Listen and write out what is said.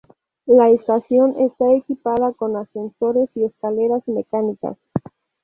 La estación está equipada con ascensores y escaleras mecánicas.